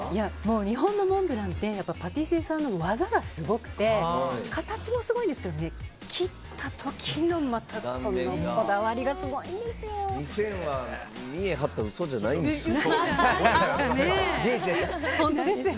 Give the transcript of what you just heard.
日本のモンブランってパティシエさんの技がすごくて形もすごいんですけど切った時のこだわりがすごいんですよ。